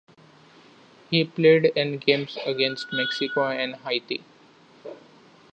He played in games against Mexico and Haiti.